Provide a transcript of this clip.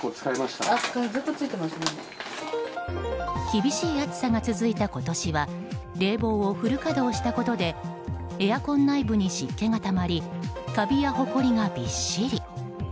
厳しい暑さが続いた今年は冷房をフル稼働したことでエアコン内部に湿気がたまりカビやほこりがびっしり。